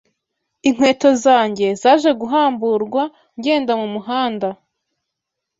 Inkweto zanjye zaje guhamburwa ngenda mu muhanda.